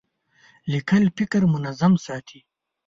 لیکل فکر منظم ساتي.